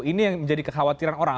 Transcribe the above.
ini yang menjadi kekhawatiran orang